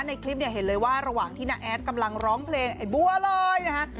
ในคลิปเนี่ยเห็นเลยว่าระหว่างที่น้าแอดกำลังร้องเพลงไอ้บัวลอยนะฮะ